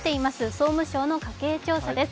総務省の家計調査です。